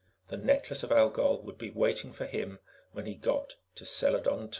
The Necklace of Algol would be waiting for him when he got to Seladon II.